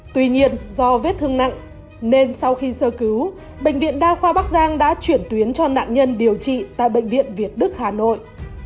tuy nhiên do vết thương nặng nên sau khi sơ cứu bệnh viện đa khoa bắc giang đã chuyển tuyến cho nạn nhân điều trị tại bệnh viện việt đức hà nội